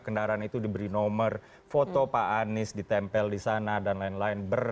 kendaraan itu diberi nomor foto pak anies ditempel di sana dan lain lain